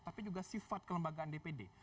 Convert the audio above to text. tapi juga sifat kelembagaan dpd